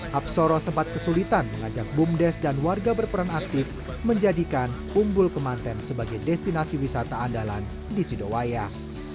hapsoro sempat kesulitan mengajak bumdes dan warga berperan aktif menjadikan umbul kemanten sebagai destinasi wisata andalan di sidowayah